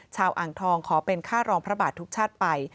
อ่างทองขอเป็นค่ารองพระบาททุกชาติไป